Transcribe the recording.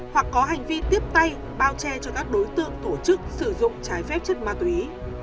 hoặc có hành vi tiếp tay bao che cho các đối tượng tổ chức sử dụng trái phép chất ma túy